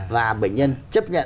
và bệnh nhân chấp nhận